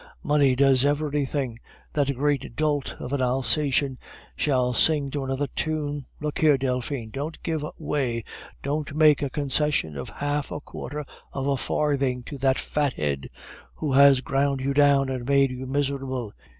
Money does everything. That great dolt of an Alsatian shall sing to another tune! Look here, Delphine, don't give way, don't make a concession of half a quarter of a farthing to that fathead, who has ground you down and made you miserable.